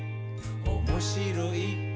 「おもしろい？